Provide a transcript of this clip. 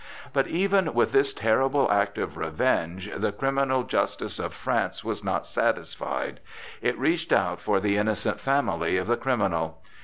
But even with this terrible act of revenge the criminal justice of France was not satisfied; it reached out for the innocent family of the criminal.